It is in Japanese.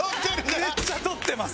めっちゃ撮ってます。